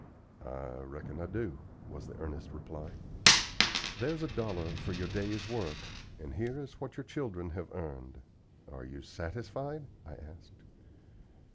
"I reckon I do," was the earnest reply. "There's a dollar for your day's work, and here is what your children have earned. Are you satisfied?" I asked.